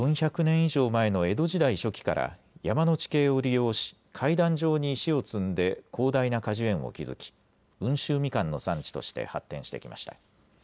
以上前の江戸時代初期から山の地形を利用し階段状に石を積んで広大な果樹園を築き温州みかんの産地として発展してきました。